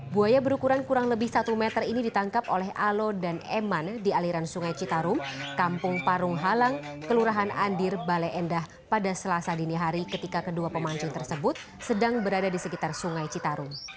buaya berukuran kurang lebih satu meter ini ditangkap oleh alo dan eman di aliran sungai citarum kampung parung halang kelurahan andir bale endah pada selasa dini hari ketika kedua pemancing tersebut sedang berada di sekitar sungai citarum